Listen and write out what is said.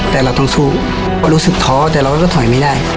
แต่เราต้องสู้เพราะรู้สึกท้อแต่เราก็ถอยไม่ได้